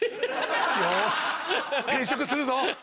よし転職するぞ！